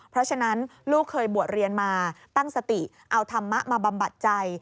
เพราะฉะนั้นลูกเคยบวชเรียนมาตั้งสติเอาธรรมะมาบำบัดใจ